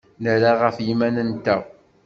Nerra ɣef yiman-nteɣ.